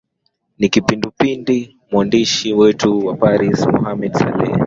na kipindupindu mwandishi wetu wa paris mohamed saleh